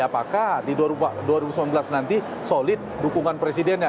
apakah di dua ribu sembilan belas nanti solid dukungan presidennya